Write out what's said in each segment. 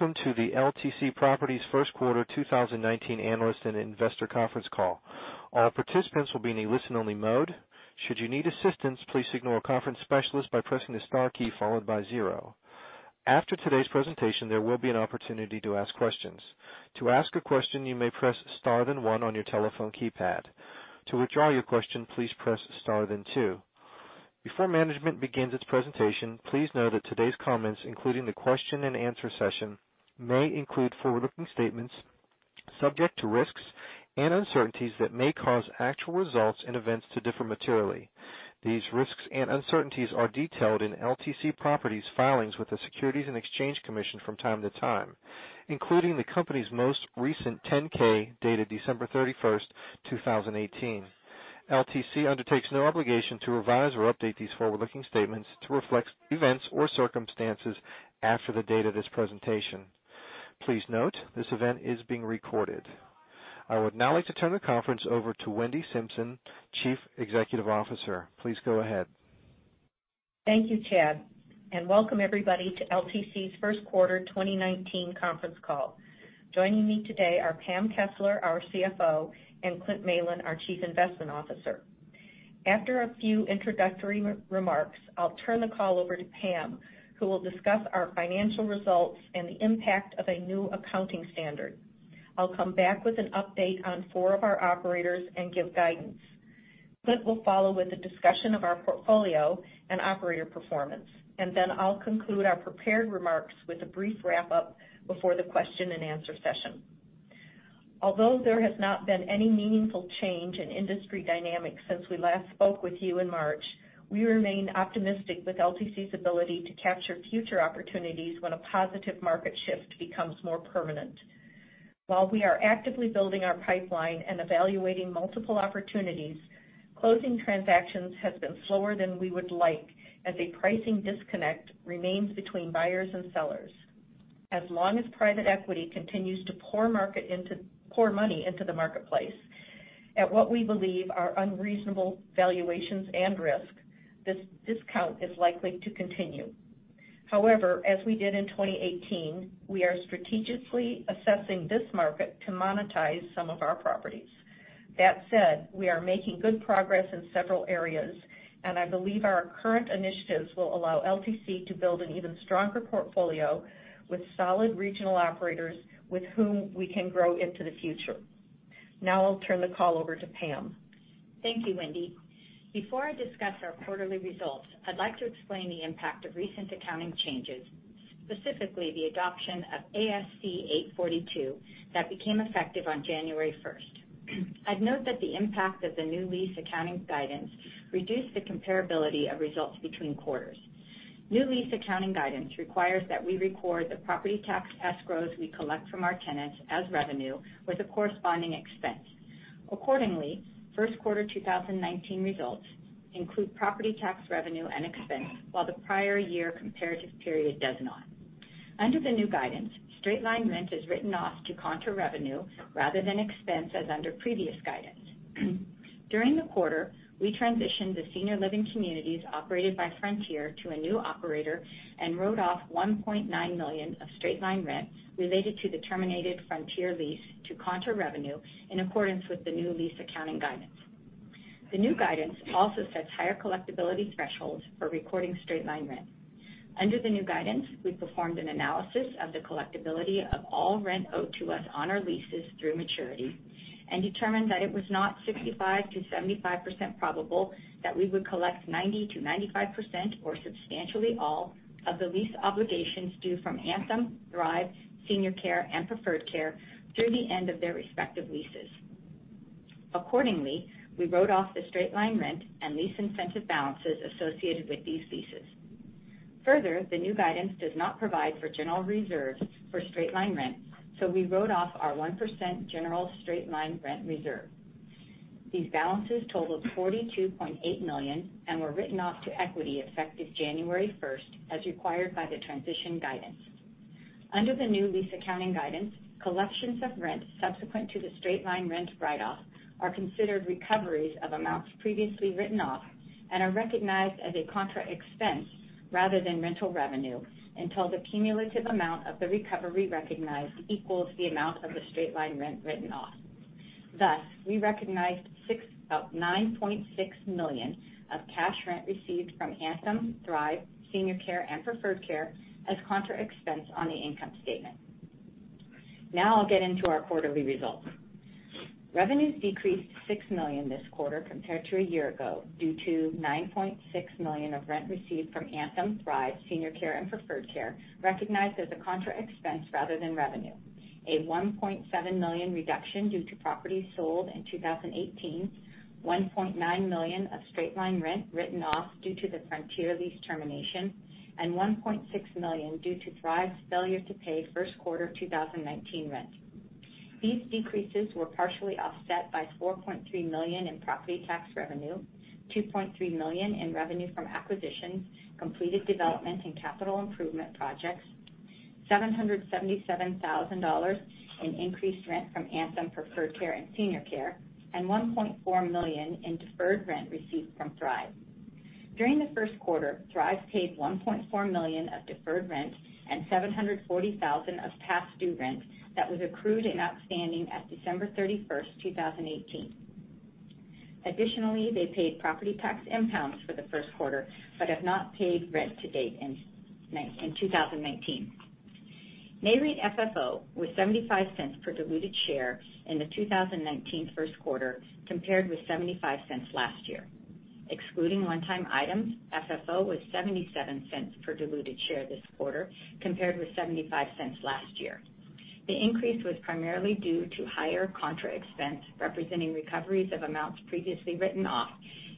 Welcome to the LTC Properties First Quarter 2019 Analyst and Investor Conference Call. All participants will be in a listen-only mode. Should you need assistance, please signal a conference specialist by pressing the star key followed by zero. After today's presentation, there will be an opportunity to ask questions. To ask a question, you may press star, then one on your telephone keypad. To withdraw your question, please press star, then two. Before management begins its presentation, please know that today's comments, including the question-and-answer session, may include forward-looking statements, subject to risks and uncertainties that may cause actual results and events to differ materially. These risks and uncertainties are detailed in LTC Properties filings with the Securities and Exchange Commission from time to time, including the company's most recent 10-K dated December 31st, 2018. LTC undertakes no obligation to revise or update these forward-looking statements to reflect events or circumstances after the date of this presentation. Please note, this event is being recorded. I would now like to turn the conference over to Wendy Simpson, Chief Executive Officer. Please go ahead. Thank you, Chad, welcome everybody to LTC's First Quarter 2019 conference call. Joining me today are Pamela Kessler, our CFO, and Clint Malin, our Chief Investment Officer. After a few introductory remarks, I'll turn the call over to Pam, who will discuss our financial results and the impact of a new accounting standard. I'll come back with an update on four of our operators and give guidance. Clint will follow with a discussion of our portfolio and operator performance, then I'll conclude our prepared remarks with a brief wrap-up before the question-and-answer session. Although there has not been any meaningful change in industry dynamics since we last spoke with you in March, we remain optimistic with LTC's ability to capture future opportunities when a positive market shift becomes more permanent. While we are actively building our pipeline and evaluating multiple opportunities, closing transactions has been slower than we would like as a pricing disconnect remains between buyers and sellers. As long as private equity continues to pour money into the marketplace at what we believe are unreasonable valuations and risk, this discount is likely to continue. However, as we did in 2018, we are strategically assessing this market to monetize some of our properties. That said, we are making good progress in several areas, I believe our current initiatives will allow LTC to build an even stronger portfolio with solid regional operators with whom we can grow into the future. Now I'll turn the call over to Pam. Thank you, Wendy. Before I discuss our quarterly results, I'd like to explain the impact of recent accounting changes, specifically the adoption of ASC 842 that became effective on January 1st. I'd note that the impact of the new lease accounting guidance reduced the comparability of results between quarters. New lease accounting guidance requires that we record the property tax escrows we collect from our tenants as revenue with a corresponding expense. Accordingly, first quarter 2019 results include property tax revenue and expense, while the prior year comparative period does not. Under the new guidance, straight-line rent is written off to contra revenue rather than expense as under previous guidance. During the quarter, we transitioned the senior living communities operated by Frontier to a new operator and wrote off $1.9 million of straight-line rent related to the terminated Frontier lease to contra revenue in accordance with the new lease accounting guidance. The new guidance also sets higher collectibility thresholds for recording straight-line rent. Under the new guidance, we performed an analysis of the collectibility of all rent owed to us on our leases through maturity and determined that it was not 65%-75% probable that we would collect 90%-95% or substantially all of the lease obligations due from Anthem, Thrive, Senior Care, and Preferred Care through the end of their respective leases. Accordingly, we wrote off the straight-line rent and lease incentive balances associated with these leases. Further, the new guidance does not provide for general reserves for straight-line rent, so we wrote off our 1% general straight-line rent reserve. These balances totaled $42.8 million and were written off to equity effective January 1st, as required by the transition guidance. Under the new lease accounting guidance, collections of rent subsequent to the straight-line rent write-off are considered recoveries of amounts previously written off and are recognized as a contra expense rather than rental revenue until the cumulative amount of the recovery recognized equals the amount of the straight-line rent written off. Thus, we recognized $9.6 million of cash rent received from Anthem, Thrive, Senior Care, and Preferred Care as contra expense on the income statement. I'll get into our quarterly results. Revenues decreased to $6 million this quarter compared to a year ago due to $9.6 million of rent received from Anthem, Thrive, Senior Care, and Preferred Care recognized as a contra expense rather than revenue, a $1.7 million reduction due to properties sold in 2018, $1.9 million of straight-line rent written off due to the Frontier lease termination, and $1.6 million due to Thrive's failure to pay first quarter 2019 rent. These decreases were partially offset by $4.3 million in property tax revenue, $2.3 million in revenue from acquisitions, completed development, and capital improvement projects, $777,000 in increased rent from Anthem, Preferred Care, and Senior Care, and $1.4 million in deferred rent received from Thrive. During the first quarter, Thrive paid $1.4 million of deferred rent and $740,000 of past due rent that was accrued and outstanding at December 31st, 2018. Additionally, they paid property tax impounds for the first quarter but have not paid rent to date in 2019. FFO was $0.75 per diluted share in the 2019 first quarter, compared with $0.75 last year. Excluding one-time items, FFO was $0.77 per diluted share this quarter, compared with $0.75 last year. The increase was primarily due to higher contra expense, representing recoveries of amounts previously written off,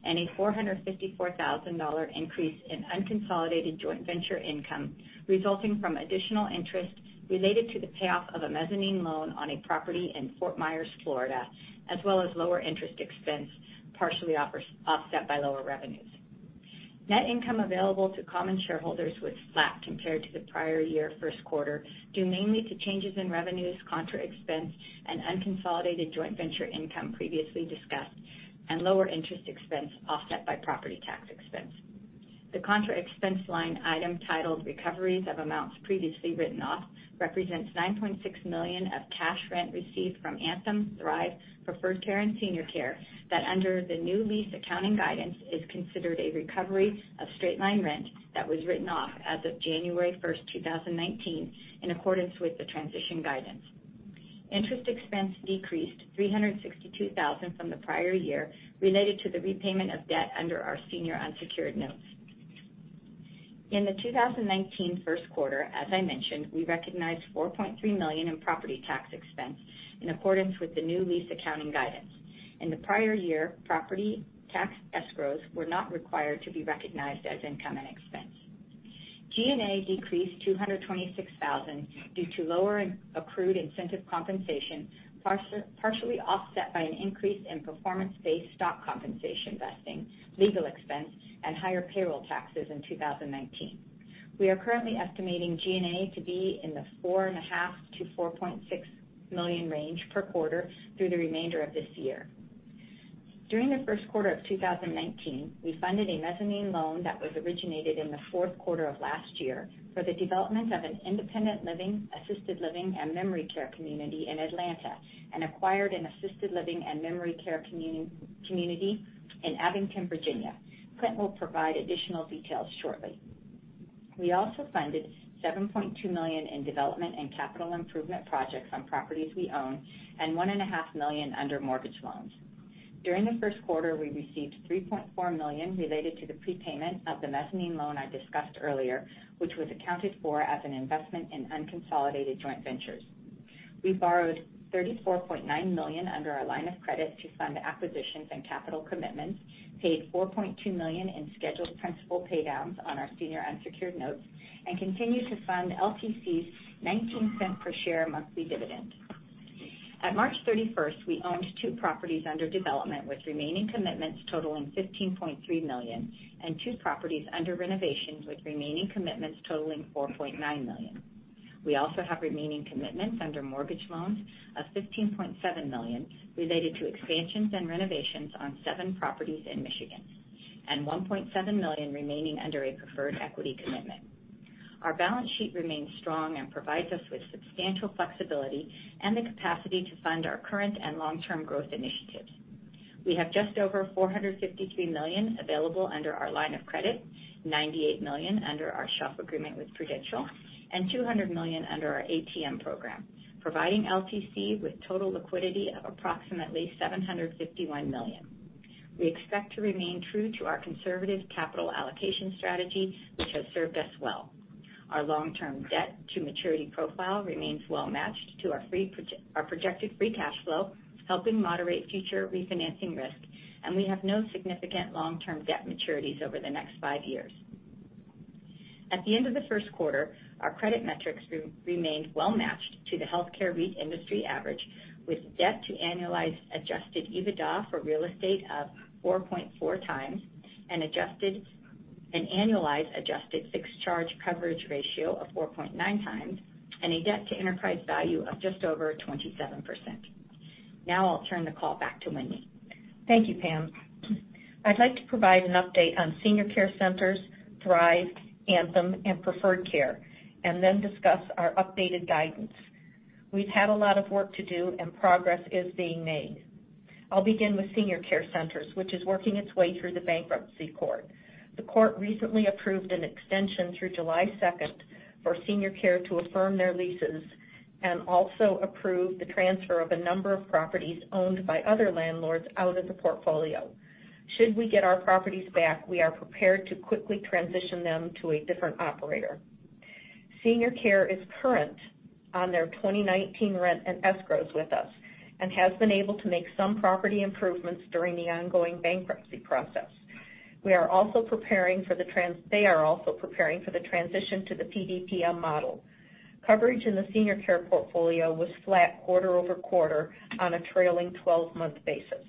and a $454,000 increase in unconsolidated joint venture income, resulting from additional interest related to the payoff of a mezzanine loan on a property in Fort Myers, Florida, as well as lower interest expense, partially offset by lower revenues. Net income available to common shareholders was flat compared to the prior year first quarter, due mainly to changes in revenues, contra expense, and unconsolidated joint venture income previously discussed, and lower interest expense offset by property tax expense. The contra expense line item titled Recoveries of Amounts Previously Written Off represents $9.6 million of cash rent received from Anthem, Thrive, Preferred Care, and Senior Care that under the new lease accounting guidance is considered a recovery of straight-line rent that was written off as of January 1, 2019, in accordance with the transition guidance. Interest expense decreased $362,000 from the prior year related to the repayment of debt under our senior unsecured notes. In the 2019 first quarter, as I mentioned, we recognized $4.3 million in property tax expense in accordance with the new lease accounting guidance. In the prior year, property tax escrows were not required to be recognized as income and expense. G&A decreased $226,000 due to lower accrued incentive compensation, partially offset by an increase in performance-based stock compensation vesting, legal expense, and higher payroll taxes in 2019. We are currently estimating G&A to be in the $4.5 million-$4.6 million range per quarter through the remainder of this year. During the first quarter of 2019, we funded a mezzanine loan that was originated in the fourth quarter of last year for the development of an independent living, assisted living, and memory care community in Atlanta and acquired an assisted living and memory care community in Abingdon, Virginia. Clint will provide additional details shortly. We also funded $7.2 million in development and capital improvement projects on properties we own and $1.5 million under mortgage loans. During the first quarter, we received $3.4 million related to the prepayment of the mezzanine loan I discussed earlier, which was accounted for as an investment in unconsolidated joint ventures. We borrowed $34.9 million under our line of credit to fund acquisitions and capital commitments, paid $4.2 million in scheduled principal paydowns on our senior unsecured notes, and continue to fund LTC's $0.19 per share monthly dividend. At March 31, we owned two properties under development with remaining commitments totaling $15.3 million and two properties under renovations with remaining commitments totaling $4.9 million. We also have remaining commitments under mortgage loans of $15.7 million related to expansions and renovations on seven properties in Michigan and $1.7 million remaining under a preferred equity commitment. Our balance sheet remains strong and provides us with substantial flexibility and the capacity to fund our current and long-term growth initiatives. We have just over $453 million available under our line of credit, $98 million under our SHOP agreement with Prudential, and $200 million under our ATM program, providing LTC with total liquidity of approximately $751 million. We expect to remain true to our conservative capital allocation strategy, which has served us well. Our long-term debt to maturity profile remains well matched to our projected free cash flow, helping moderate future refinancing risk, and we have no significant long-term debt maturities over the next five years. At the end of the first quarter, our credit metrics remained well matched to the healthcare REIT industry average, with debt to annualized adjusted EBITDA for real estate of 4.4 times, an annualized adjusted fixed charge coverage ratio of 4.9 times, and a debt to enterprise value of just over 27%. I'll turn the call back to Wendy. Thank you, Pam. I'd like to provide an update on Senior Care Centers, Thrive, Anthem, and Preferred Care, and then discuss our updated guidance. We've had a lot of work to do and progress is being made. I'll begin with Senior Care Centers, which is working its way through the bankruptcy court. The court recently approved an extension through July 2nd for Senior Care to affirm their leases and also approved the transfer of a number of properties owned by other landlords out of the portfolio. Should we get our properties back, we are prepared to quickly transition them to a different operator. Senior Care is current on their 2019 rent and escrows with us and has been able to make some property improvements during the ongoing bankruptcy process. They are also preparing for the transition to the PDPM model. Coverage in the Senior Care portfolio was flat quarter-over-quarter on a trailing 12-month basis.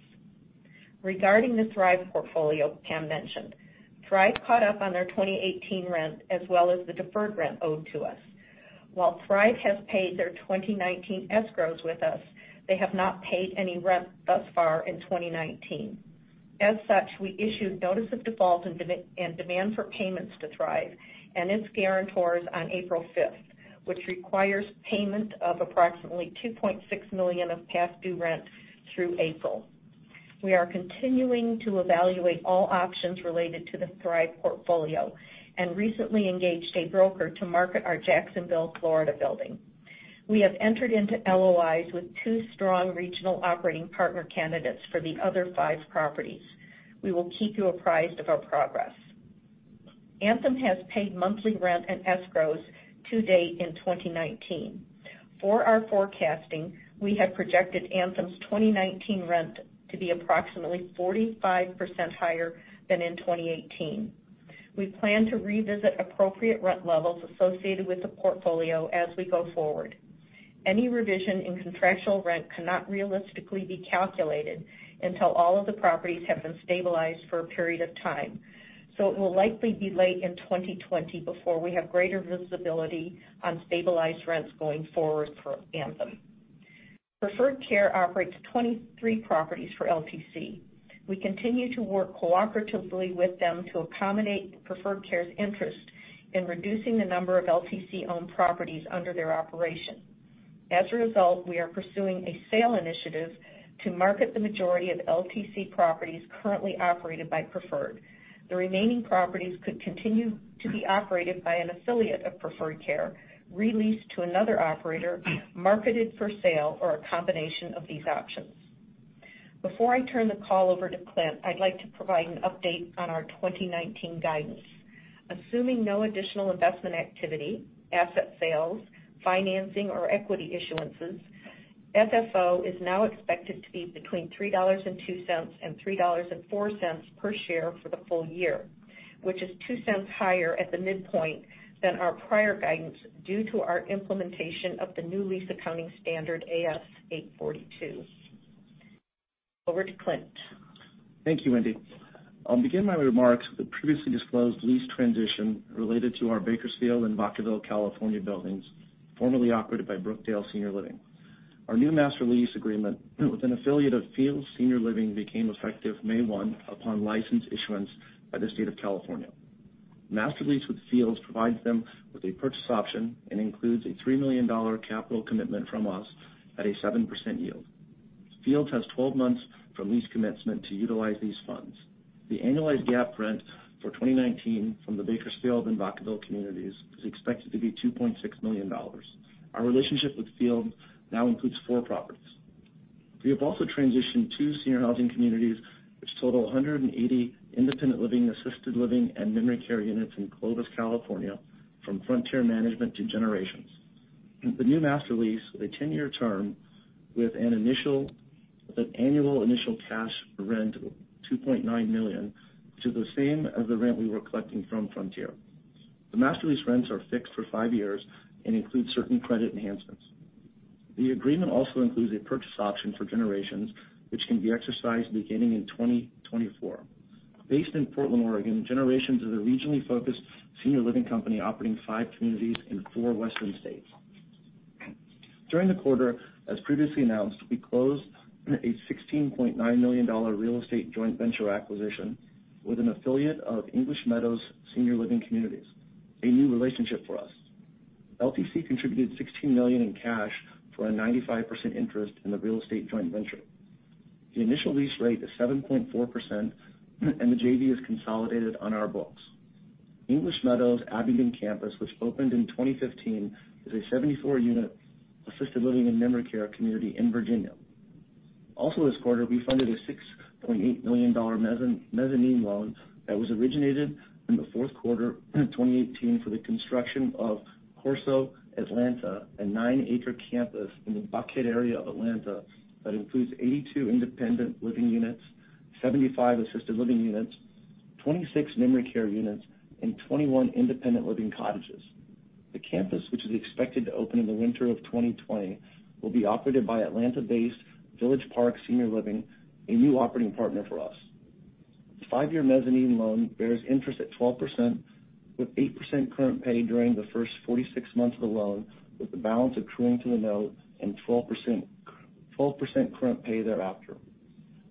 Regarding the Thrive portfolio Pam mentioned, Thrive caught up on their 2018 rent as well as the deferred rent owed to us. While Thrive has paid their 2019 escrows with us, they have not paid any rent thus far in 2019. We issued notice of default and demand for payments to Thrive and its guarantors on April 5th, which requires payment of approximately $2.6 million of past due rent through April. We are continuing to evaluate all options related to the Thrive portfolio and recently engaged a broker to market our Jacksonville, Florida building. We have entered into LOIs with two strong regional operating partner candidates for the other five properties. We will keep you apprised of our progress. Anthem has paid monthly rent and escrows to date in 2019. For our forecasting, we have projected Anthem's 2019 rent to be approximately 45% higher than in 2018. We plan to revisit appropriate rent levels associated with the portfolio as we go forward. Any revision in contractual rent cannot realistically be calculated until all of the properties have been stabilized for a period of time. It will likely be late in 2020 before we have greater visibility on stabilized rents going forward for Anthem. Preferred Care operates 23 properties for LTC. We continue to work cooperatively with them to accommodate Preferred Care's interest in reducing the number of LTC-owned properties under their operation. We are pursuing a sale initiative to market the majority of LTC properties currently operated by Preferred. The remaining properties could continue to be operated by an affiliate of Preferred Care, re-leased to another operator, marketed for sale, or a combination of these options. Before I turn the call over to Clint, I'd like to provide an update on our 2019 guidance. Assuming no additional investment activity, asset sales, financing, or equity issuances, FFO is now expected to be between $3.02-$3.04 per share for the full year, which is $0.02 higher at the midpoint than our prior guidance due to our implementation of the new lease accounting standard, ASC 842. Over to Clint. Thank you, Wendy. I'll begin my remarks with previously disclosed lease transition related to our Bakersfield and Vacaville, California buildings, formerly operated by Brookdale Senior Living. Our new master lease agreement with an affiliate of Fields Senior Living became effective May 1 upon license issuance by the state of California. Master lease with Fields provides them with a purchase option and includes a $3 million capital commitment from us at a 7% yield. Fields has 12 months from lease commencement to utilize these funds. The annualized GAAP rent for 2019 from the Bakersfield and Vacaville communities is expected to be $2.6 million. Our relationship with Fields now includes four properties. We have also transitioned two senior housing communities, which total 180 independent living, assisted living, and memory care units in Clovis, California from Frontier Management to Generations. The new master lease with a 10-year term with an annual initial cash rent of $2.9 million, which is the same as the rent we were collecting from Frontier. The master lease rents are fixed for five years and include certain credit enhancements. The agreement also includes a purchase option for Generations, which can be exercised beginning in 2024. Based in Portland, Oregon, Generations is a regionally focused senior living company operating five communities in four Western states. During the quarter, as previously announced, we closed a $16.9 million real estate joint venture acquisition with an affiliate of English Meadows Senior Living Communities, a new relationship for us. LTC contributed $16 million in cash for a 95% interest in the real estate joint venture. The initial lease rate is 7.4%, and the JV is consolidated on our books. English Meadows Abbey Green Campus, which opened in 2015, is a 74-unit assisted living and memory care community in Virginia. Also this quarter, we funded a $6.8 million mezzanine loan that was originated in the fourth quarter 2018 for the construction of Corso Atlanta, a nine-acre campus in the Buckhead area of Atlanta that includes 82 independent living units, 75 assisted living units, 26 memory care units, and 21 independent living cottages. The campus, which is expected to open in the winter of 2020, will be operated by Atlanta-based Village Park Senior Living, a new operating partner for us. The five-year mezzanine loan bears interest at 12%, with 8% current pay during the first 46 months of the loan, with the balance accruing to the note and 12% current pay thereafter.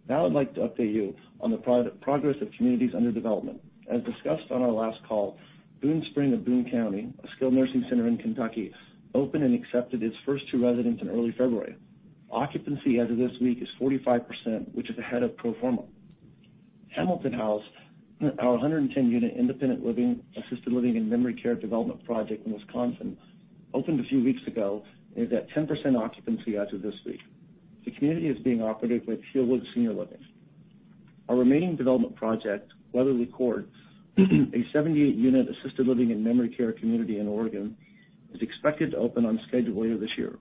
Now I'd like to update you on the progress of communities under development. As discussed on our last call, Boon Spring of Boone County, a skilled nursing center in Kentucky, opened and accepted its first two residents in early February. Occupancy as of this week is 45%, which is ahead of pro forma. Hamilton House, our 110-unit independent living, assisted living, and memory care development project in Wisconsin, opened a few weeks ago and is at 10% occupancy as of this week. The community is being operated with Fields Senior Living. Our remaining development project, Weatherly Court, a 78-unit assisted living and memory care community in Oregon, is expected to open on schedule later this year.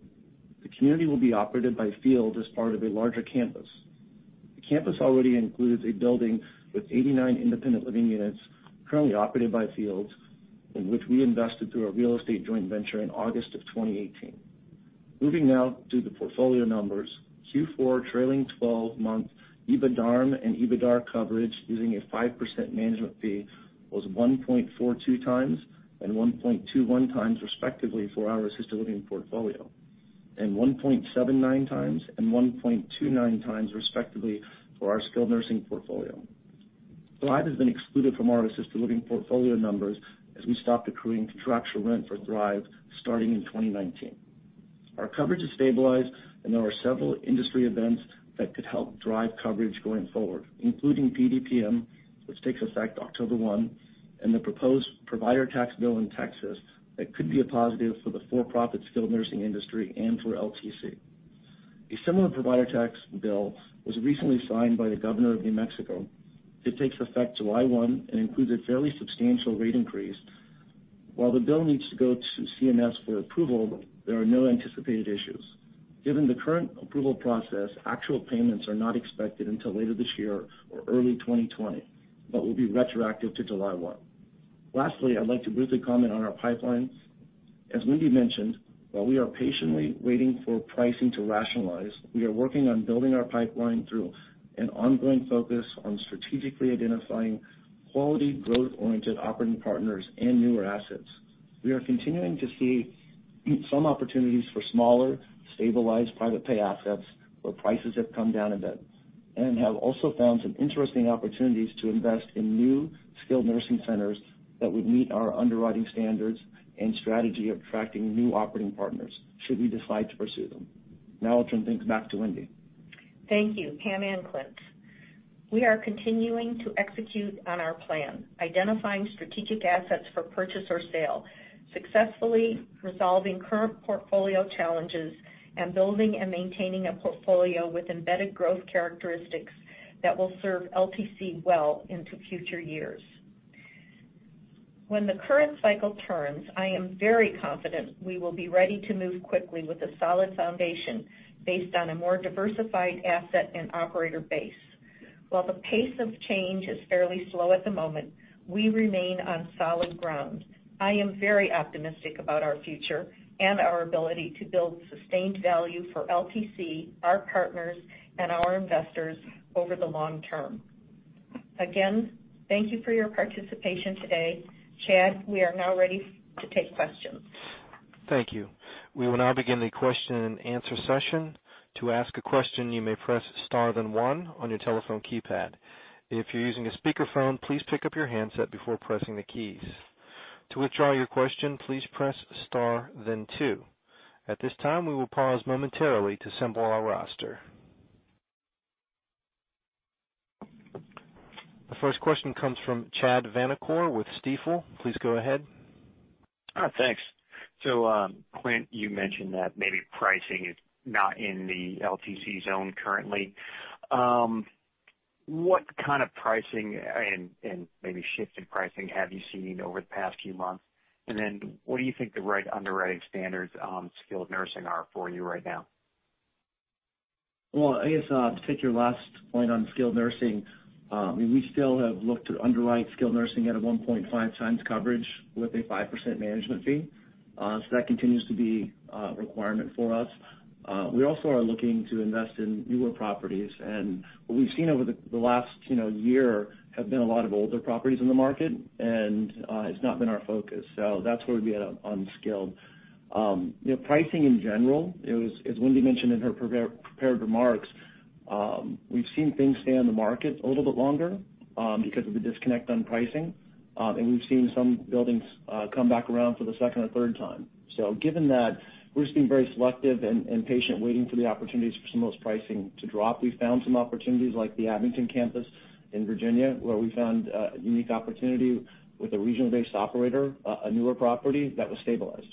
The community will be operated by Field as part of a larger campus. The campus already includes a building with 89 independent living units currently operated by Fields, in which we invested through a real estate joint venture in August of 2018. Moving now through the portfolio numbers. Q4 trailing 12 months, EBITDARM and EBITDAR coverage using a 5% management fee was 1.42 times and 1.21 times respectively for our assisted living portfolio, and 1.79 times and 1.29 times respectively for our skilled nursing portfolio. Thrive has been excluded from our assisted living portfolio numbers as we stopped accruing contractual rent for Thrive starting in 2019. Our coverage has stabilized, and there are several industry events that could help drive coverage going forward, including PDPM, which takes effect October 1, and the proposed provider tax bill in Texas that could be a positive for the for-profit skilled nursing industry and for LTC. A similar provider tax bill was recently signed by the governor of New Mexico. It takes effect July 1 and includes a fairly substantial rate increase. While the bill needs to go to CMS for approval, there are no anticipated issues. Given the current approval process, actual payments are not expected until later this year or early 2020, but will be retroactive to July 1. Lastly, I'd like to briefly comment on our pipelines. As Wendy mentioned, while we are patiently waiting for pricing to rationalize, we are working on building our pipeline through an ongoing focus on strategically identifying quality growth-oriented operating partners and newer assets. We are continuing to see some opportunities for smaller, stabilized private pay assets where prices have come down a bit, and have also found some interesting opportunities to invest in new skilled nursing centers that would meet our underwriting standards and strategy of attracting new operating partners should we decide to pursue them. Now I'll turn things back to Wendy. Thank you, Pam and Clint. We are continuing to execute on our plan, identifying strategic assets for purchase or sale, successfully resolving current portfolio challenges, and building and maintaining a portfolio with embedded growth characteristics that will serve LTC well into future years. When the current cycle turns, I am very confident we will be ready to move quickly with a solid foundation based on a more diversified asset and operator base. While the pace of change is fairly slow at the moment, we remain on solid ground. I am very optimistic about our future and our ability to build sustained value for LTC, our partners, and our investors over the long term. Again, thank you for your participation today. Chad, we are now ready to take questions. Thank you. We will now begin the question and answer session. To ask a question, you may press star then one on your telephone keypad. If you're using a speakerphone, please pick up your handset before pressing the keys. To withdraw your question, please press star then two. At this time, we will pause momentarily to assemble our roster. The first question comes from Chad Vanacore with Stifel. Please go ahead. Thanks. Clint, you mentioned that maybe pricing is not in the LTC zone currently. What kind of pricing and maybe shift in pricing have you seen over the past few months? What do you think the right underwriting standards on skilled nursing are for you right now? Well, I guess to take your last point on skilled nursing, we still have looked to underwrite skilled nursing at a 1.5 times coverage with a 5% management fee. That continues to be a requirement for us. We also are looking to invest in newer properties, and what we've seen over the last year have been a lot of older properties in the market, and it's not been our focus. Given that, we're just being very selective and patient waiting for the opportunities for some of those pricing to drop. We found some opportunities like the Abingdon Campus in Virginia, where we found a unique opportunity with a regional-based operator, a newer property that was stabilized.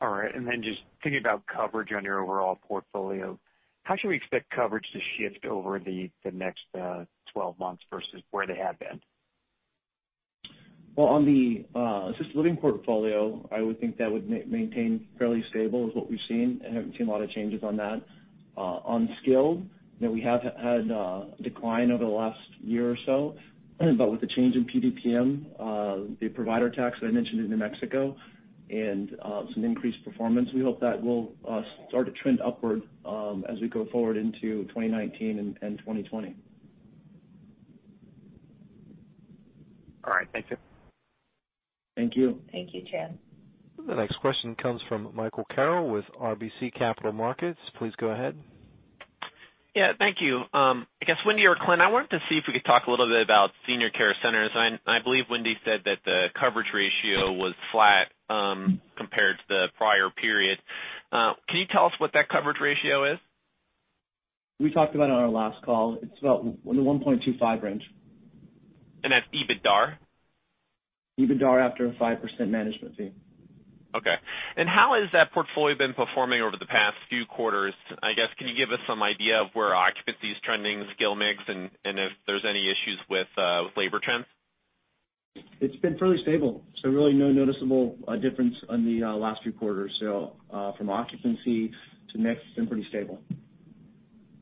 All right. Just thinking about coverage on your overall portfolio, how should we expect coverage to shift over the next 12 months versus where they have been? Well, on the assisted living portfolio, I would think that would maintain fairly stable is what we've seen. I haven't seen a lot of changes on that. On skilled, we have had a decline over the last year or so, with the change in PDPM, the provider tax that I mentioned in New Mexico, and some increased performance, we hope that will start to trend upward as we go forward into 2019 and 2020. All right. Thank you. Thank you. Thank you, Chad. The next question comes from Michael Carroll with RBC Capital Markets. Please go ahead. Yeah. Thank you. I guess Wendy or Clint, I wanted to see if we could talk a little bit about Senior Care Centers, and I believe Wendy said that the coverage ratio was flat compared to the prior period. Can you tell us what that coverage ratio is? We talked about it on our last call. It's about in the 1.25 range. That's EBITDAR? EBITDAR after a 5% management fee. Okay. How has that portfolio been performing over the past few quarters? I guess can you give us some idea of where occupancy is trending, skill mix, and if there's any issues with labor trends? It's been fairly stable, so really no noticeable difference on the last few quarters. From occupancy to mix, been pretty stable.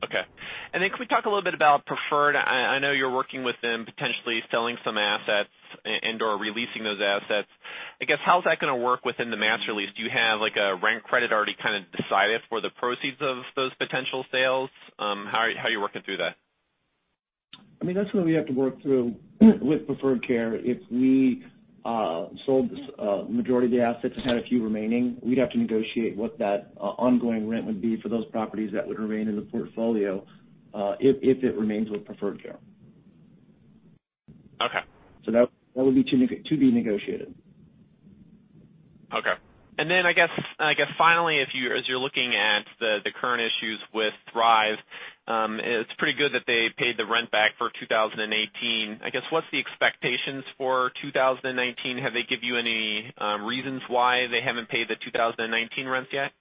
Can we talk a little bit about Preferred? I know you're working with them, potentially selling some assets and/or re-leasing those assets. I guess, how is that going to work within the master lease? Do you have a rent credit already kind of decided for the proceeds of those potential sales? How are you working through that? I mean, that's something we have to work through with Preferred Care. If we sold the majority of the assets and had a few remaining, we'd have to negotiate what that ongoing rent would be for those properties that would remain in the portfolio, if it remains with Preferred Care. Okay. That would be to be negotiated. Okay. I guess, finally, as you're looking at the current issues with Thrive, it's pretty good that they paid the rent back for 2018. I guess, what's the expectations for 2019? Have they given you any reasons why they haven't paid the 2019 rents yet?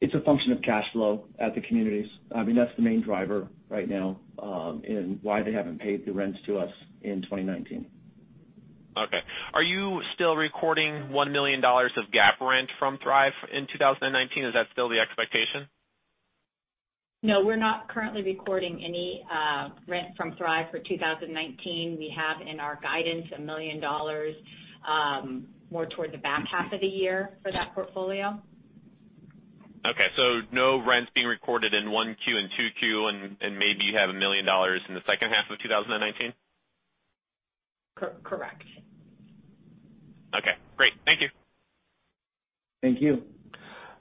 It's a function of cash flow at the communities. I mean, that's the main driver right now in why they haven't paid the rents to us in 2019. Okay. Are you still recording $1 million of GAAP rent from Thrive in 2019? Is that still the expectation? No, we're not currently recording any rent from Thrive for 2019. We have in our guidance $1 million more towards the back half of the year for that portfolio. Okay. No rents being recorded in 1 Q and 2 Q, and maybe you have $1 million in the second half of 2019? Correct. Okay, great. Thank you. Thank you.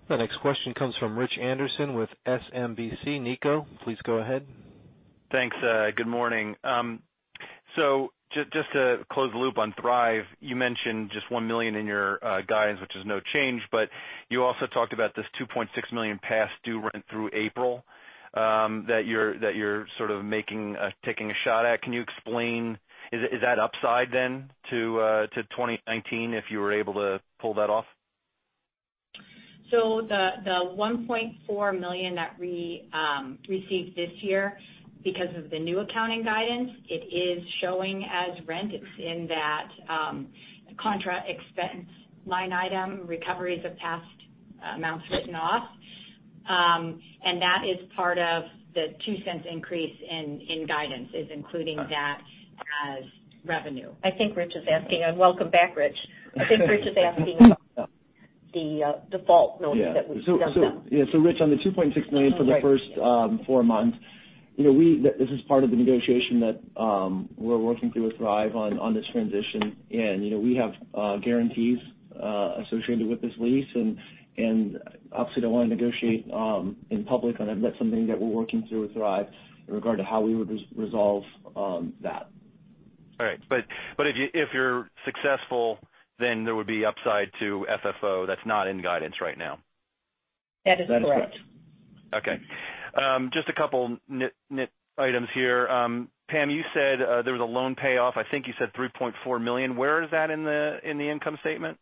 The next question comes from Rich Anderson with SMBC Nikko, please go ahead. Thanks. Good morning. Just to close the loop on Thrive, you mentioned just $1 million in your guidance, which is no change, but you also talked about this $2.6 million past due rent through April, that you're sort of taking a shot at. Can you explain, is that upside then to 2019 if you were able to pull that off? The $1.4 million that we received this year, because of the new accounting guidance, it is showing as rent. It's in that contra expense line item, recoveries of past amounts written off. That is part of the $0.02 increase in guidance, is including that as revenue. I think Rich is asking, and welcome back, Rich, about the default notice that we sent them. Rich, on the $2.6 million for the first four months, this is part of the negotiation that we're working through with Thrive on this transition. We have guarantees associated with this lease, and obviously, don't want to negotiate in public on it. That's something that we're working through with Thrive in regard to how we would resolve that. If you're successful, then there would be upside to FFO that's not in guidance right now. That is correct. That is correct. Okay. Just a couple nit items here. Pam, you said there was a loan payoff, I think you said $3.4 million. Where is that in the income statement?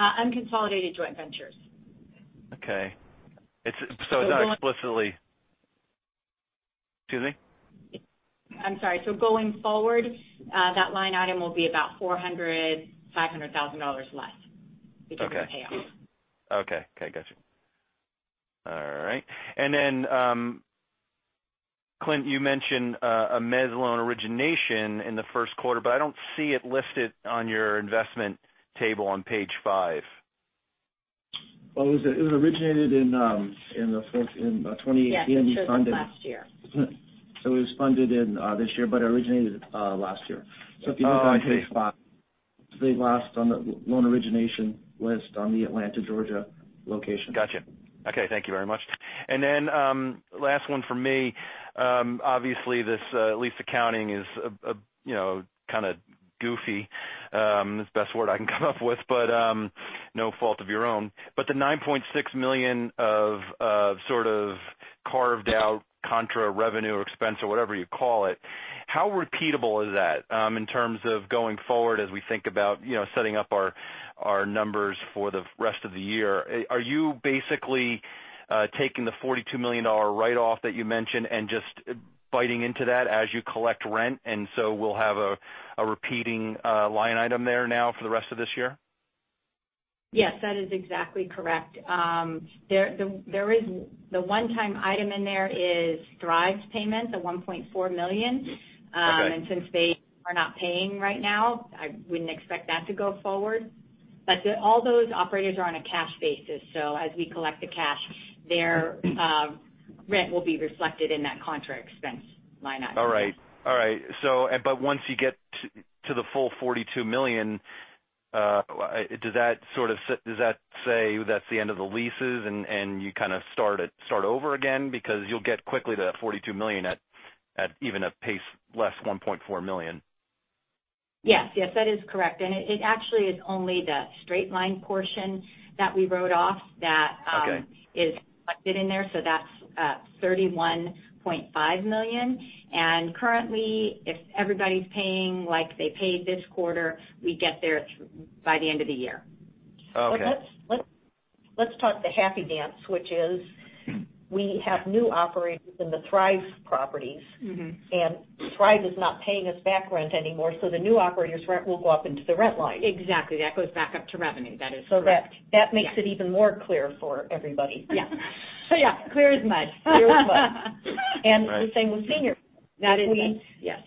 Unconsolidated joint ventures. Okay. It's not explicitly Excuse me? I'm sorry. Going forward, that line item will be about $400, $500,000 less because of the payoff. Okay. Got you. All right. Clint, you mentioned a mezz loan origination in the first quarter, but I don't see it listed on your investment table on page five. Well, it was originated in 2018. Yes, it closed last year. It was funded in this year, but originated last year. Oh, okay. If you look on page five, it's the last on the loan origination list on the Atlanta, Georgia location. Got you. Okay, thank you very much. Last one from me. Obviously, this lease accounting is kind of goofy. It's the best word I can come up with, but no fault of your own. The $9.6 million of sort of carved out contra revenue or expense or whatever you call it, how repeatable is that in terms of going forward as we think about setting up our numbers for the rest of the year? Are you basically taking the $42 million write-off that you mentioned and just biting into that as you collect rent, we'll have a repeating line item there now for the rest of this year? Yes, that is exactly correct. The one-time item in there is Thrive's payment, the $1.4 million. Okay. Since they are not paying right now, I wouldn't expect that to go forward. All those operators are on a cash basis, as we collect the cash, their rent will be reflected in that contra expense line item. All right. Once you get to the full $42 million, does that say that's the end of the leases, and you kind of start over again? You'll get quickly to that $42 million at even a pace less $1.4 million. Yes. That is correct. It actually is only the straight line portion that we wrote off. Okay is reflected in there. That's $31.5 million. Currently, if everybody's paying like they paid this quarter, we get there by the end of the year. Okay. Let's talk the happy dance, which is we have new operators in the Thrive properties. Thrive is not paying us back rent anymore, so the new operator's rent will go up into the rent line. Exactly. That goes back up to revenue. That is correct. That makes it even more clear for everybody. Yeah. Yeah. Clear as mud. Clear as mud. The same with Senior. That is it. Yes.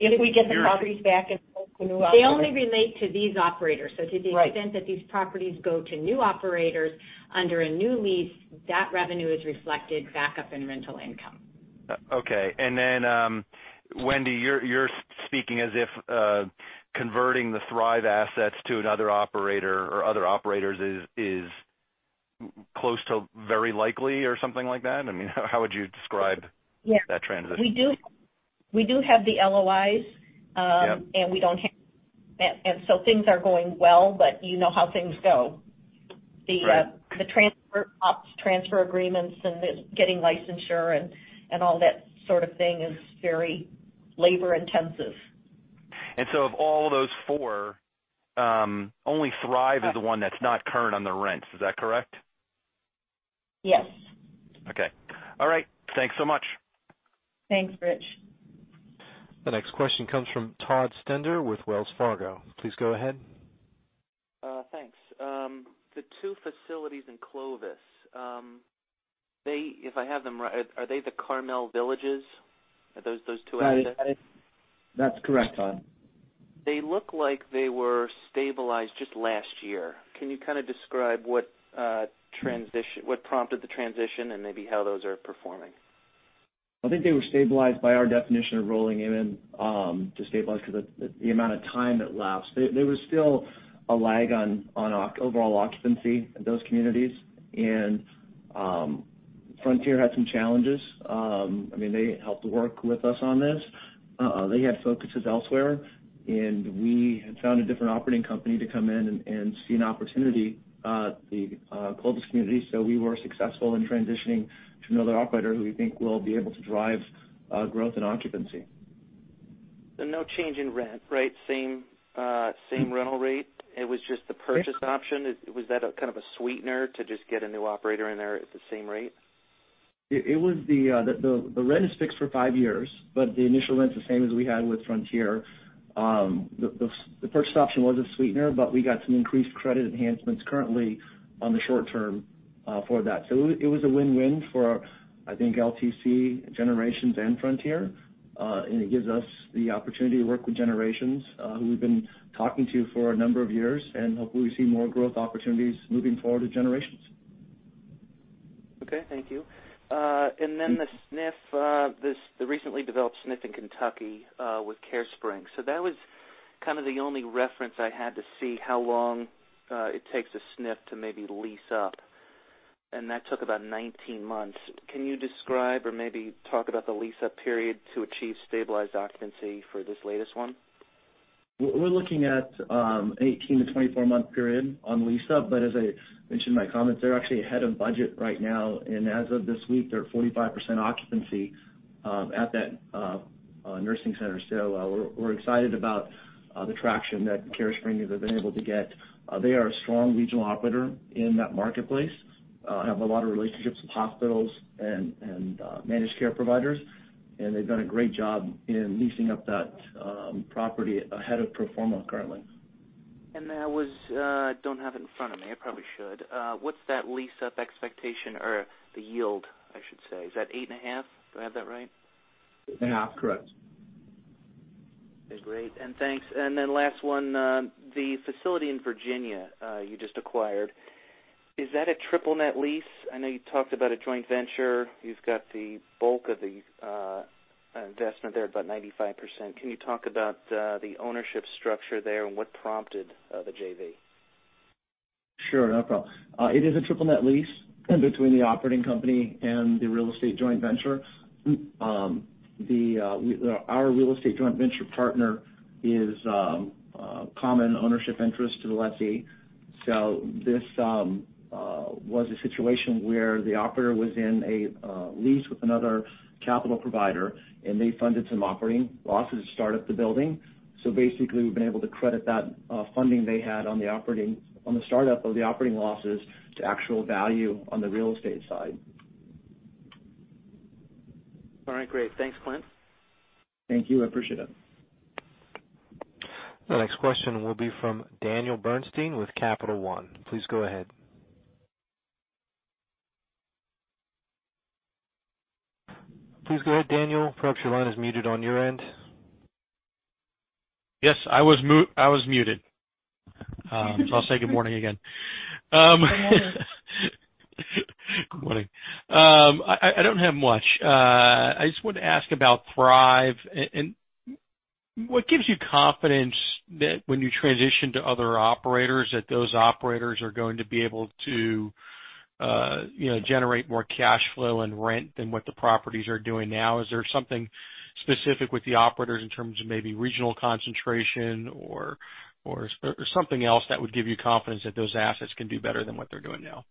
If we get the properties back and They only relate to these operators. Right. To the extent that these properties go to new operators under a new lease, that revenue is reflected back up in rental income. Okay. Wendy, you're speaking as if converting the Thrive assets to another operator or other operators is close to very likely or something like that? How would you describe- Yeah that transition? We do have the LOIs. Yeah. Things are going well. You know how things go. Right. The transfer ops, transfer agreements, and getting licensure and all that sort of thing is very labor intensive. Of all those four, only Thrive is the one that's not current on the rent. Is that correct? Yes. Okay. All right. Thanks so much. Thanks, Rich. The next question comes from Todd Stender with Wells Fargo. Please go ahead. Thanks. The two facilities in Clovis, if I have them right, are they the Carmel Village? Are those two assets? That's correct, Todd. They look like they were stabilized just last year. Can you describe what prompted the transition and maybe how those are performing? I think they were stabilized by our definition of rolling them in to stabilize because of the amount of time that lapsed. There was still a lag on overall occupancy at those communities, and Frontier had some challenges. They helped to work with us on this. They had focuses elsewhere, and we had found a different operating company to come in and see an opportunity at the Clovis community. We were successful in transitioning to another operator who we think will be able to drive growth and occupancy. No change in rent, right? Same rental rate. It was just the purchase option. Was that a kind of a sweetener to just get a new operator in there at the same rate? The rent is fixed for five years, but the initial rent's the same as we had with Frontier. The purchase option was a sweetener, but we got some increased credit enhancements currently on the short term for that. It was a win-win for, I think, LTC, Generations, and Frontier. It gives us the opportunity to work with Generations, who we've been talking to for a number of years, and hopefully we see more growth opportunities moving forward with Generations. Okay, thank you. Then the SNF, the recently developed SNF in Kentucky, with Carespring. That was kind of the only reference I had to see how long it takes a SNF to maybe lease up, and that took about 19 months. Can you describe or maybe talk about the lease-up period to achieve stabilized occupancy for this latest one? We're looking at 18 to 24-month period on lease-up, but as I mentioned in my comments, they're actually ahead of budget right now, and as of this week, they're at 45% occupancy at that nursing center. We're excited about the traction that Carespring has been able to get. They are a strong regional operator in that marketplace, have a lot of relationships with hospitals and managed care providers. They've done a great job in leasing up that property ahead of pro forma currently. I don't have it in front of me. I probably should. What's that lease-up expectation or the yield, I should say? Is that eight and a half? Do I have that right? Yeah, correct. Okay, great. Thanks. Then last one, the facility in Virginia you just acquired, is that a triple net lease? I know you talked about a joint venture. You've got the bulk of the investment there, about 95%. Can you talk about the ownership structure there and what prompted the JV? Sure, no problem. It is a triple net lease between the operating company and the real estate joint venture. Our real estate joint venture partner is a common ownership interest to the lessee. This was a situation where the operator was in a lease with another capital provider, they funded some operating losses to start up the building. Basically, we've been able to credit that funding they had on the startup of the operating losses to actual value on the real estate side. All right, great. Thanks, Clint. Thank you. I appreciate it. The next question will be from Daniel Bernstein with Capital One. Please go ahead, Daniel. Perhaps your line is muted on your end. Yes, I was muted. I'll say good morning again. Good morning. Good morning. I don't have much. I just wanted to ask about Thrive. What gives you confidence that when you transition to other operators, that those operators are going to be able to generate more cash flow and rent than what the properties are doing now? Is there something specific with the operators in terms of maybe regional concentration or something else that would give you confidence that those assets can do better than what they're doing now?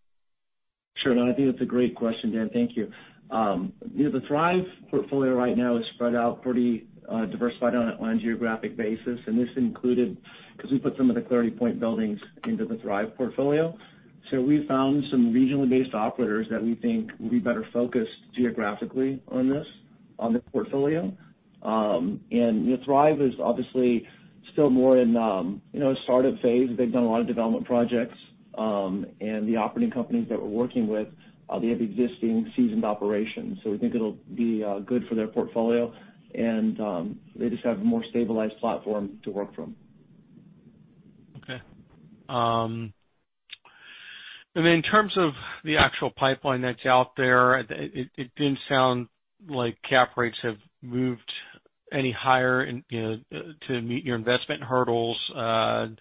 Sure, I think that's a great question, Dan. Thank you. The Thrive portfolio right now is spread out pretty diversified on a geographic basis, and this included because we put some of the Clarity Point buildings into the Thrive portfolio. We found some regionally based operators that we think will be better focused geographically on this portfolio. Thrive is obviously still more in a startup phase. They've done a lot of development projects, and the operating companies that we're working with, they have existing seasoned operations. We think it'll be good for their portfolio, and they just have a more stabilized platform to work from. Okay. In terms of the actual pipeline that's out there, it didn't sound like cap rates have moved any higher to meet your investment hurdles. I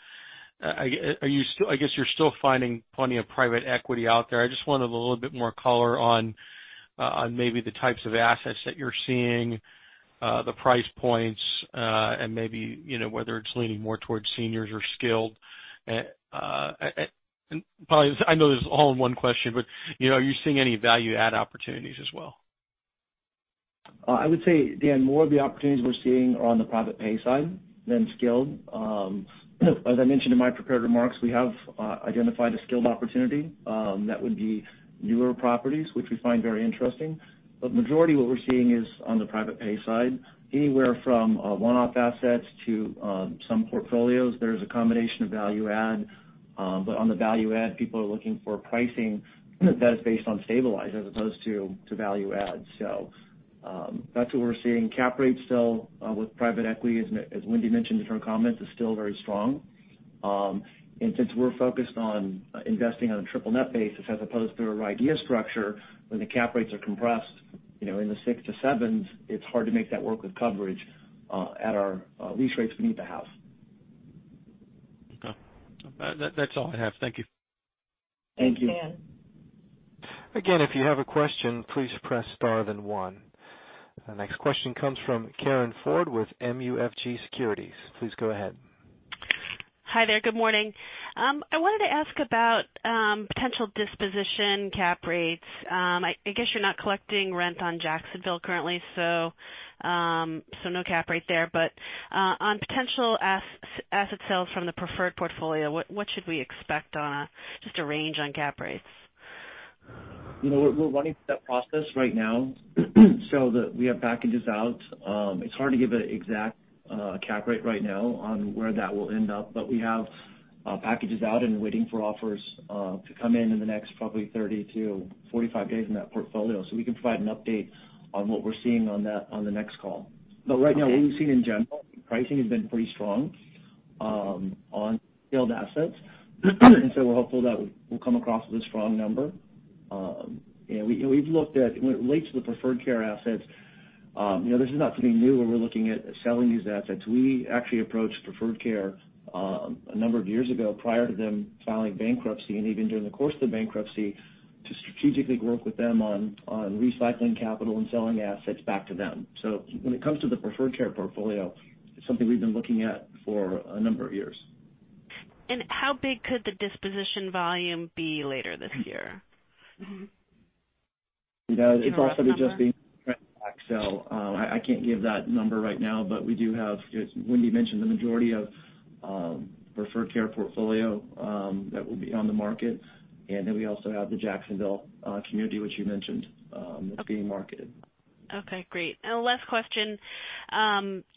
guess you're still finding plenty of private equity out there. I just wanted a little bit more color on maybe the types of assets that you're seeing, the price points, and maybe whether it's leaning more towards seniors or skilled. Probably, I know this is all in one question, but are you seeing any value add opportunities as well? I would say, Dan, more of the opportunities we're seeing are on the private pay side than skilled. As I mentioned in my prepared remarks, we have identified a skilled opportunity, that would be newer properties, which we find very interesting. Majority what we're seeing is on the private pay side, anywhere from one-off assets to some portfolios. There's a combination of value add. On the value add, people are looking for pricing that is based on stabilized as opposed to value add. That's what we're seeing. Cap rates still with private equity, as Wendy mentioned in her comments, is still very strong. Since we're focused on investing on a triple net basis as opposed to a RIDEA structure, when the cap rates are compressed in the six to sevens, it's hard to make that work with coverage at our lease rates beneath the house. Okay. That's all I have. Thank you. Thank you. Thanks, Dan. If you have a question, please press star then one. The next question comes from Karin Ford with MUFG Securities. Please go ahead. Hi there. Good morning. I wanted to ask about potential disposition cap rates. I guess you're not collecting rent on Jacksonville currently, so no cap rate there. On potential asset sales from the Preferred portfolio, what should we expect on just a range on cap rates? We're running that process right now that we have packages out. It's hard to give an exact cap rate right now on where that will end up, but we have packages out and waiting for offers to come in in the next probably 30-45 days in that portfolio. We can provide an update on what we're seeing on that on the next call. Right now, what we've seen in general, pricing has been pretty strong on skilled assets. We're hopeful that we'll come across with a strong number. When it relates to the Preferred Care assets, this is not something new when we're looking at selling these assets. We actually approached Preferred Care a number of years ago, prior to them filing bankruptcy, and even during the course of the bankruptcy, to strategically work with them on recycling capital and selling assets back to them. When it comes to the Preferred Care portfolio, it's something we've been looking at for a number of years. How big could the disposition volume be later this year? Do you know if there's a number? It's also just being rented back, I can't give that number right now, but we do have, as Wendy mentioned, the majority of Preferred Care portfolio that will be on the market. We also have the Jacksonville community, which you mentioned, that's being marketed. Okay, great. Last question,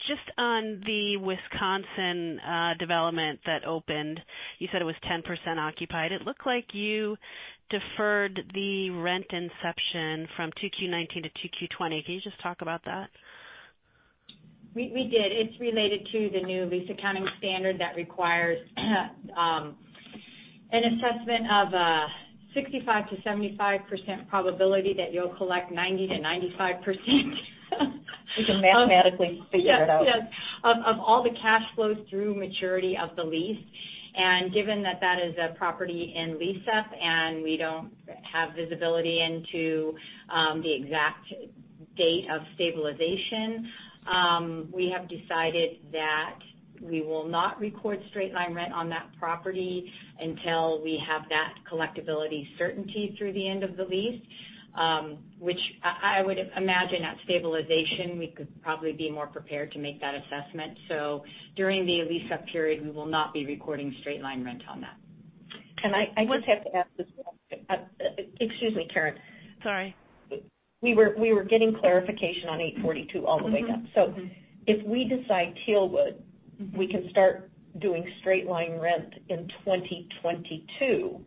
just on the Wisconsin development that opened. You said it was 10% occupied. It looked like you deferred the rent inception from 2Q '19 to 2Q '20. Can you just talk about that? We did. It's related to the new lease accounting standard that requires an assessment of a 65%-75% probability that you'll collect 90%-95%. You can mathematically figure it out. Yes. Of all the cash flows through maturity of the lease. Given that that is a property in lease-up and we don't have visibility into the exact date of stabilization, we have decided that we will not record straight line rent on that property until we have that collectibility certainty through the end of the lease, which I would imagine at stabilization, we could probably be more prepared to make that assessment. During the lease-up period, we will not be recording straight line rent on that. I just have to add to that. Excuse me, Karin. Sorry. We were getting clarification on 842 all the way up. If we decide Tealwood, we can start doing straight line rent in 2022.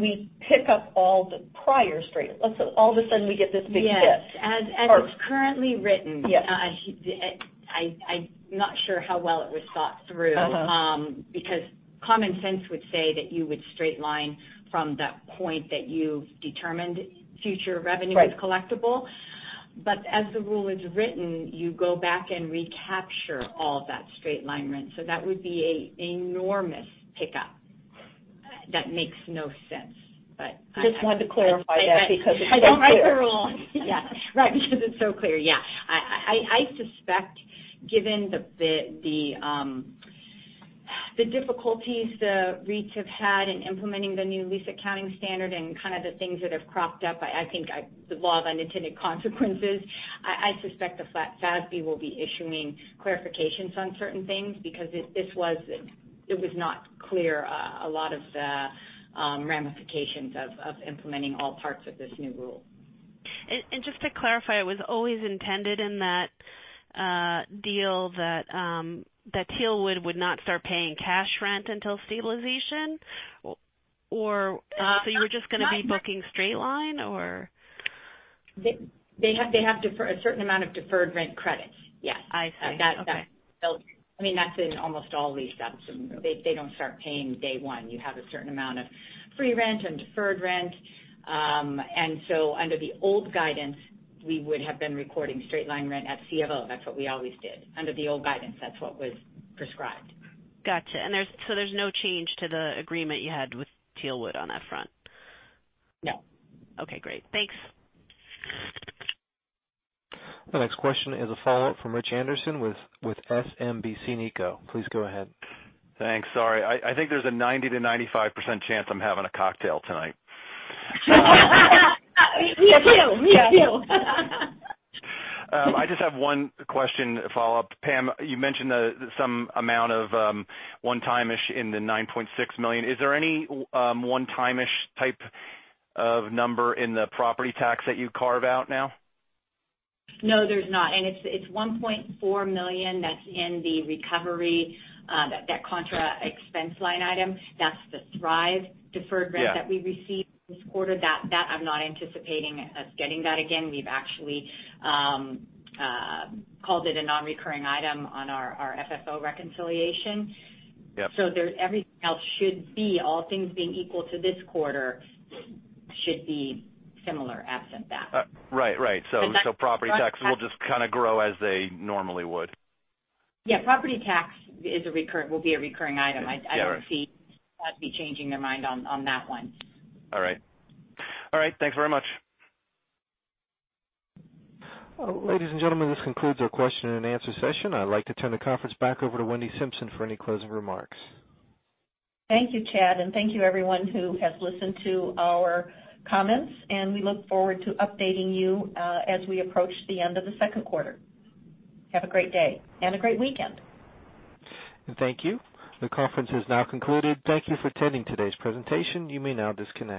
We pick up all the prior straight. Let's say all of a sudden we get this big hit. Yes. As it's currently written. Yes I'm not sure how well it was thought through. Because common sense would say that you would straight line from that point that you've determined future revenue. Right is collectible. As the rule is written, you go back and recapture all that straight line rent. That would be an enormous pickup. That makes no sense. Just had to clarify that because it's not clear. I don't write the rules. Yeah. Right. It's so clear. Yeah. I suspect given the difficulties the REITs have had in implementing the new lease accounting standard and kind of the things that have cropped up, I think the law of unintended consequences, I suspect the FASB will be issuing clarifications on certain things because it was not clear, a lot of the ramifications of implementing all parts of this new rule. Just to clarify, it was always intended in that deal that Tealwood would not start paying cash rent until stabilization? You were just going to be booking straight line or? They have a certain amount of deferred rent credits. Yes. I see. Okay. That's in almost all leaseups. They don't start paying day one. You have a certain amount of free rent and deferred rent. Under the old guidance, we would have been recording straight line rent [at CFO]. That's what we always did. Under the old guidance, that's what was prescribed. Got you. There's no change to the agreement you had with Tealwood on that front? No. Okay, great. Thanks. The next question is a follow-up from Rich Anderson with SMBC Nikko. Please go ahead. Thanks. Sorry. I think there's a 90%-95% chance I'm having a cocktail tonight. Me too. Me too. I just have one question follow-up. Pam, you mentioned some amount of one-timish in the $9.6 million. Is there any one-timish type of number in the property tax that you carve out now? No, there's not. It's $1.4 million that's in the recovery, that contra expense line item. That's the Thrive deferred rent that we received this quarter, that I'm not anticipating us getting that again. We've actually called it a non-recurring item on our FFO reconciliation. Yep. Everything else should be, all things being equal to this quarter, should be similar absent that. Right. Property tax will just kind of grow as they normally would. Yeah. Property tax will be a recurring item. Yeah. Right. I don't see them not be changing their mind on that one. All right. Thanks very much. Ladies and gentlemen, this concludes our question and answer session. I'd like to turn the conference back over to Wendy Simpson for any closing remarks. Thank you, Chad. Thank you everyone who has listened to our comments. We look forward to updating you, as we approach the end of the second quarter. Have a great day and a great weekend. Thank you. The conference has now concluded. Thank you for attending today's presentation. You may now disconnect.